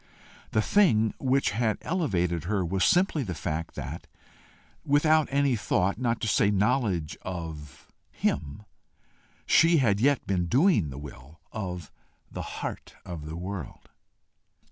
The thing which had elevated her was simply the fact that, without any thought, not to say knowledge of him, she had yet been doing the will of the Heart of the world.